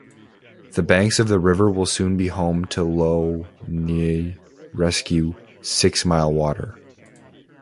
The banks of the river will soon be home to Lough Neagh Rescue Sixmilewater.